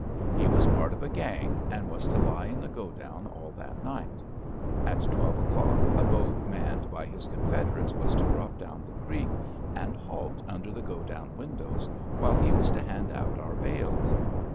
He was part of a gang, and was to lie in the godown all that night. At twelve o'clock a boat manned by his confeder ates was to drop down the creek and halt under the godown windows, while he was to hand out our bales.